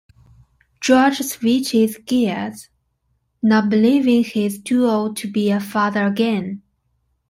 George switches gears; now believing he is too old to be a father again.